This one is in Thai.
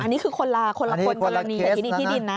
อันนี้คือคนละคนละคนคนละนีเส้นทีนีที่ดินนะ